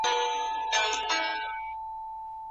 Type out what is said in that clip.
چا منلی چا له یاده دی ایستلی